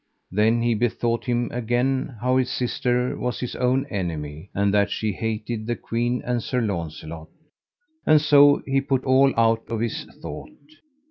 Then he bethought him again how his sister was his own enemy, and that she hated the queen and Sir Launcelot, and so he put all that out of his thought.